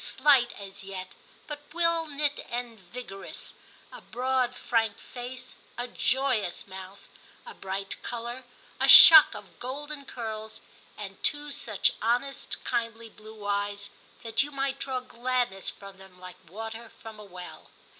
slight as yet, but well knit and vigorous, a broad frank face, a joyous mouth, a bright colour, a shock of golden curls, and two such honest kindly blue eyes, that you might draw gladness from them like water from a well.